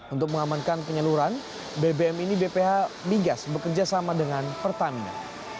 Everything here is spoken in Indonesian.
untuk mengamankan penyaluran bbm ini bph migas bekerja sama dengan pertamina